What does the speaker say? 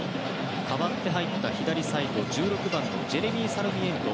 代わって入った左サイド、１６番ジェレミー・サルミエント。